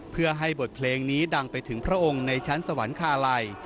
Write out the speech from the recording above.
เพื่อให้บทเพลงนี้ดังไปถึงพระองค์ในชั้นสวรรคาลัย